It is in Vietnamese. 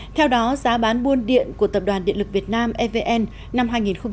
theo đó giá bán buôn điện của tập đoàn điện lực việt nam evn năm hai nghìn một mươi chín